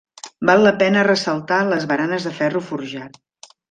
Val la pena ressaltar les baranes de ferro forjat.